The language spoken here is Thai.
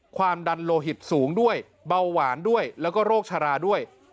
ความดันโลหิตสูงด้วยเบาหวานด้วยแล้วก็โรคชราด้วย